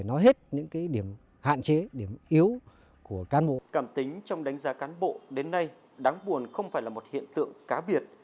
nhưng trong đánh giá cán bộ đến nay đáng buồn không phải là một hiện tượng cá biệt